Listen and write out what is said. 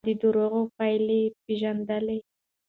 هغه د دروغو پايلې پېژندلې.